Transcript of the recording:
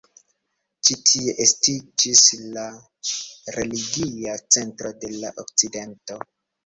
Ĉi tie estiĝis la religia centro de la okcidento.